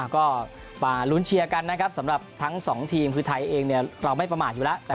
ก็มาลุ้นเชียร์กันนะครับสำหรับทั้งสองทีมคือไทยเองเราไม่ประมาทอยู่แล้ว